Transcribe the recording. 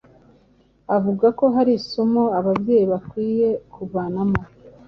avuga ko hari isomo ababyeyi bakwiye kuvanamo